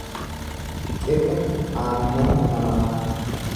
Cibra aannan namaa.